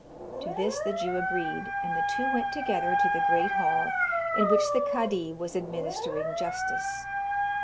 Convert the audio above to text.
To this the Jew agreed, and the two went together to the great hall, in which the kadi was administering justice.